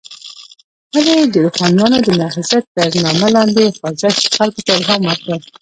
ولې د روښانیانو د نهضت تر نامه لاندې خوځښت خلکو ته الهام ورکړ.